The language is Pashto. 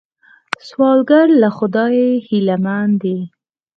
سوالګر له خدایه هیلمن دی